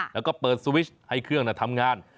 แล้วก็เปิดสวิชให้เครื่องทำงาน